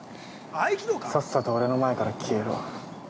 さっさと俺の前から消えろ。